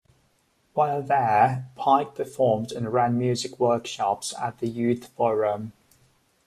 While there, Pyke performed and ran music workshops at the youth forum.